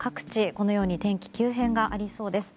このように天気急変がありそうです。